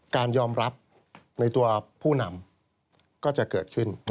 การยอมรับในตัวผู้นำก็จะเกิดขึ้น